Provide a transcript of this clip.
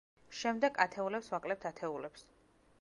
შემდეგ, ათეულებს ვაკლებთ ათეულებს.